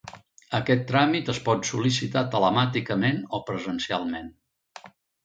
Aquest tràmit es pot sol·licitar telemàticament o presencialment.